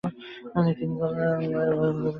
কালে তিনি কল্যাণময় ভাগ্যবিধাতায় পরিণত হন।